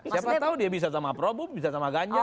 siapa tahu dia bisa sama prabu bisa sama ganja